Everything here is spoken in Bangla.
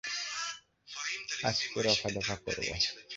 আজকেই রফাদফা করবো।